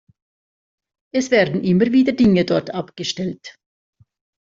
Es werden immer wieder Dinge dort abgestellt.